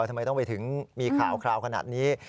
ทำไมต้องไปถึงมีข่าวคราวขนาดนี้